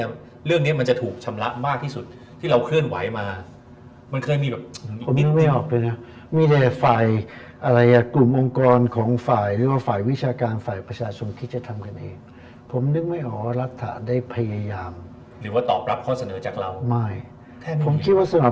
ถึงเรื่องนี้จะถูกชำระมากที่สุดเรื่องที่เราเคลื่อนไหวมา